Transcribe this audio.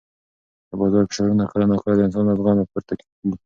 د بازار فشارونه کله ناکله د انسان له زغمه پورته وي.